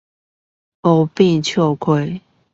不搞笑